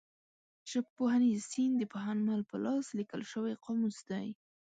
ژبپوهنیز سیند د پوهنمل په لاس لیکل شوی قاموس دی.